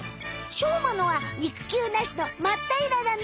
しょうまのは肉球なしのまったいらなの。